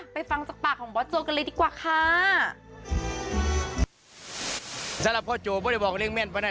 ฟังจากปากของบอสโจกันเลยดีกว่าค่ะ